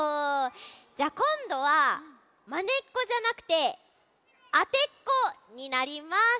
じゃあこんどはまねっこじゃなくてあてっこになります。